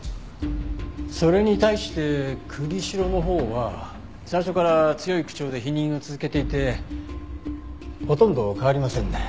それに対して栗城のほうは最初から強い口調で否認を続けていてほとんど変わりませんね。